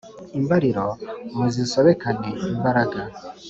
imbariro muzisobekane imbaraga